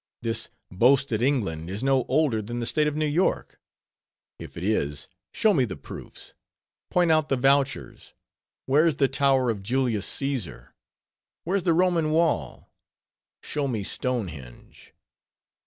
This boasted England is no older than the State of New York: if it is, show me the proofs—point out the vouchers. Where's the tower of Julius Caesar? Where's the Roman wall? Show me Stonehenge!